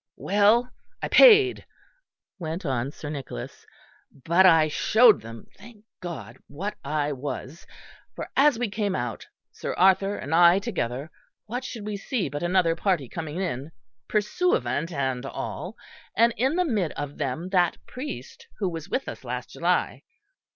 "Well, I paid," went on Sir Nicholas, "but I showed them, thank God, what I was: for as we came out, Sir Arthur and I together, what should we see but another party coming in, pursuivant and all; and in the mid of them that priest who was with us last July.